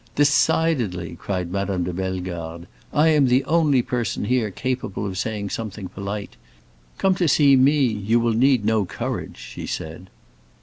"Decidedly," cried Madame de Bellegarde, "I am the only person here capable of saying something polite! Come to see me; you will need no courage," she said.